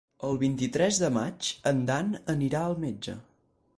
El vint-i-tres de maig en Dan anirà al metge.